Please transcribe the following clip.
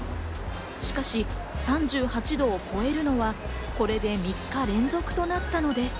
しかし３８度を超えるのはこれで３日連続となったのです。